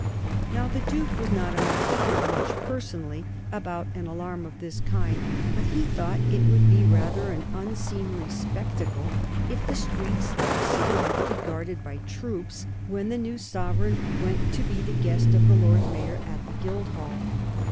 Now the Duke was not a man to care much, personally, about an alarm of this kind, but he thought it would be rather an unseemly spectacle if the streets of the City had to be guarded by troops when the new sovereign went to be the guest of the Lord Mayor at the Guildhall.